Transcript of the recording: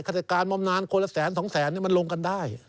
ราชการบำนานคนละแสนสองแสนมันลงกันได้